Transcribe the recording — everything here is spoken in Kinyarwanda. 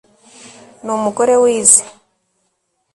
Ni umugore wize